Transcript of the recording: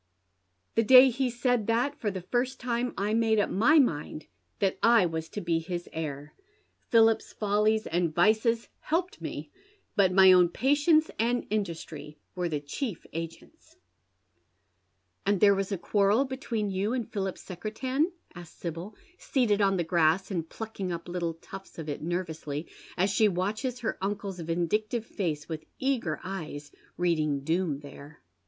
The day he said that for the first tinia I made uj) my mind that I was to bo his heir. Philip's follit^ How Steplusn Trenr.na.rd Forgives. 69 find viceB helped mc, but my own patience and iiidustrj' were tlie cliief agents." " And there was a quarrel between you and Philip Secretan ?" asks Sibyl, seated on the grass and plucking up little tufts of it nervously, as she watches her uncle's vindictive face with eager eyes, reading doom there.